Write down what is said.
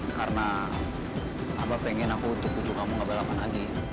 karena abang pengen aku untuk bujuk kamu gak balapan lagi